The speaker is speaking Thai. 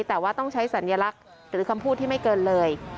แต่ว่าต้องใช้สัญลักษณ์หรือคำพูดที่ไม่เกินเลย